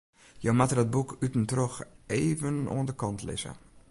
Je moatte dat boek út en troch even oan de kant lizze.